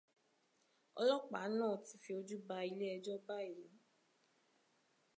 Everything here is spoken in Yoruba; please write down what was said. Ọlọ́pàá náà ti fi ojú ba ilé ẹjọ́ báyìí.